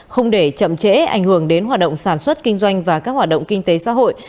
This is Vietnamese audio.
không để chậm chẽ ảnh hưởng đến hoạt động sản xuất kinh doanh và các hoạt động kinh tế xã hội